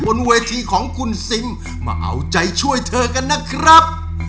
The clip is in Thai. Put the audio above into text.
บนเวทีของคุณซิมมาเอาใจช่วยเธอกันนะครับ